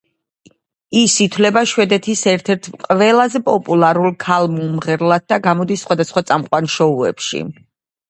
ის ითვლება შვედეთის ერთ-ერთ ყველაზე პოპულარულ ქალ მომღერლად და გამოდის სხვადასხვა წამყვან შოუებში.